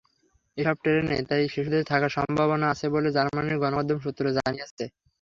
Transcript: এসব ট্রেনে তাই শিশুদের থাকার সম্ভাবনা আছে বলে জার্মানির গণমাধ্যম সূত্র জানিয়েছে।